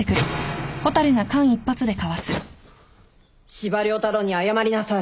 司馬遼太郎に謝りなさい。